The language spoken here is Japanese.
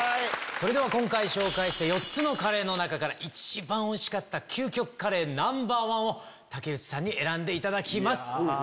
それでは今回紹介した４つのカレーの中から一番おいしかった究極カレーＮｏ．１を竹内さんに選んでいただきます。